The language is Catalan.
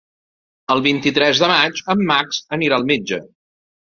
El vint-i-tres de maig en Max anirà al metge.